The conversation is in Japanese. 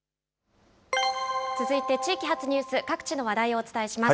続いて地域発ニュース、各地の話題をお伝えします。